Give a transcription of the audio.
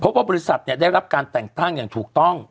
เพราะว่าบริษัทได้รับการแต่งตั้งอย่างถูกต้อง